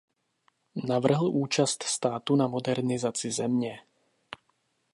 Navrhl účast státu na modernizaci země.